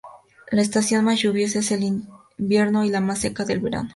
La estación más lluviosa es el invierno y la más seca el verano.